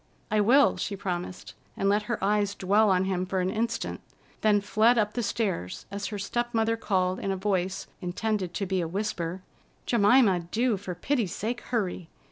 "I will," she promised, and let her eyes dwell on him for an instant; then fled up the stairs as her step mother called in a voice intended to be a whisper: "Jemima, do, for pity's sake, hurry!